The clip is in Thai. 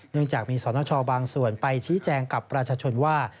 จากมีสนชบางส่วนไปชี้แจงกับประชาชนว่า